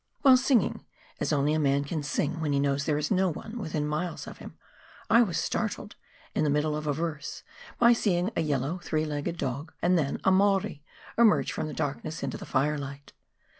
While singing — as a man only can sing when he knows there is no one within miles of him — I was startled, in the middle of a verse, by seeing a yellow three legged dog, and then a Maori, emerge from the darkness into the firelight.